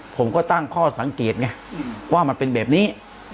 ผมก็ตั้งข้อสังเกตไงว่ามันเป็นแบบนี้